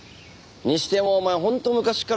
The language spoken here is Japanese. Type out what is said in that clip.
にしてもお前本当昔から運ないよな。